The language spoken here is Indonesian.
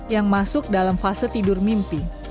yang masuk dalam fase tidur mimpi